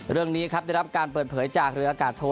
เรื่องนี้ครับได้รับการเปิดเผยจากเรืออากาศโท